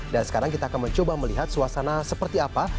dan sekarang kita akan mencoba melihat suasana seperti apa